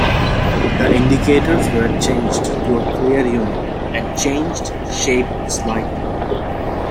The indicators were changed to a clear unit, and changed shape slightly.